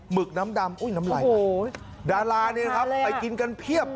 ึกน้ำดำอุ้ยน้ำไหลดาราเนี่ยครับไปกินกันเพียบ